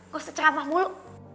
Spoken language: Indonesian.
gak usah ceramah mulu